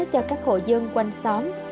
cho các hộ dân quanh xóm